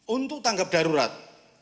untuk tanggap darurat